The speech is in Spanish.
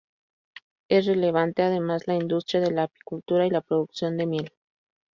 Es relevante además la industria de la apicultura y la producción de miel.